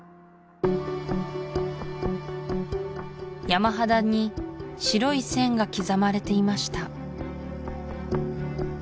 山肌に白い線が刻まれていました